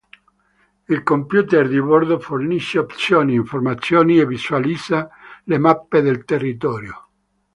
Il computer di bordo fornisce opzioni, informazioni e visualizza le mappe del territorio.